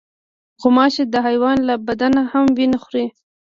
غوماشې د حیوان له بدن هم وینه خوري.